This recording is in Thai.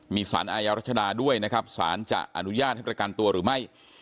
มีสารอาญารัชดาด้วยนะครับสารจะอนุญาตให้ประกันตัวหรือไม่